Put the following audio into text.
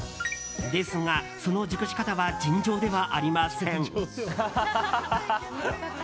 ですが、その熟し方は尋常ではありません。